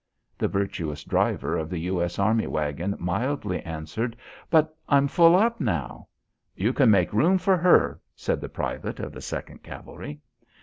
The virtuous driver of the U.S. Army waggon mildly answered: "But I'm full up now." "You can make room for her," said the private of the Second Cavalry.